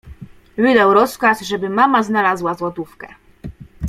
Wydał rozkaz, żeby mama znalazła złotówkę.